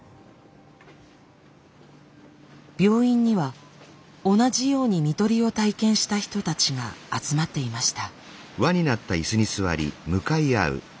病院には同じように看取りを体験した人たちが集まっていました。